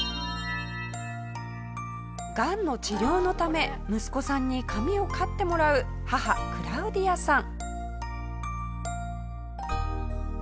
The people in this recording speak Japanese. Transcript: がんの治療のため息子さんに髪を刈ってもらう母クラウディアさん。